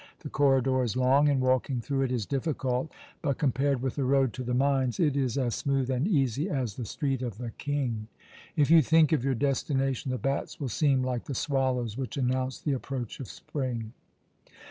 The corridor is long, and walking through it is difficult; but compared with the road to the mines, it is as smooth and easy as the Street of the King. If you think of your destination, the bats will seem like the swallows which announce the approach of spring."